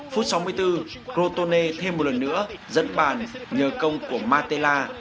phút sáu mươi bốn crotone thêm một lần nữa dẫn bàn nhờ công của martella